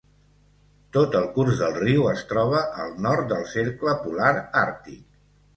Tot el curs del riu es troba al nord del Cercle Polar Àrtic.